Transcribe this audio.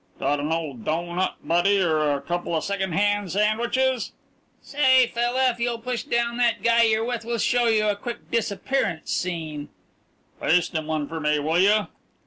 "Got an old doughnut, Buddy, or a couple of second hand sandwiches?" "Say, fella, if you'll push down that guy you're with, we'll show you a quick disappearance scene." "Paste him one for me, will you?"